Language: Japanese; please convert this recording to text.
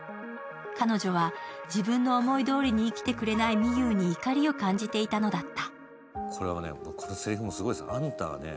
彼女は自分の思いどおりに生きてくれない美優に怒りを感じていたのだった。